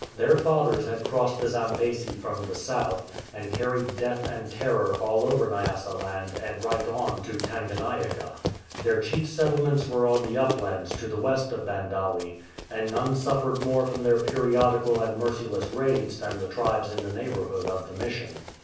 Their fathers had crossed the Zambesi from the south, and carried death and terror all over Nyasaland and right on to Tanganyika. Their chief settlements were on the uplands to the west of Bandawe, and none suffered more from their periodical and merciless raids than the tribes in the neighbourhood of the Mission.